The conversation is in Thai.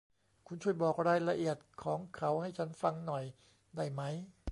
คุณช่วยบอกรายละเอียดของเขาให้ฉันฟังหน่อยได้ไหม ?